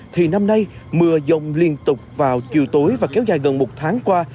thì năm nay mưa dông liên tục vào chiều tối và kéo dài gần một tháng qua